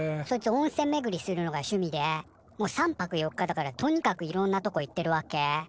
そいつ温泉めぐりするのが趣味でもう３泊４日だからとにかくいろんなとこ行ってるわけ。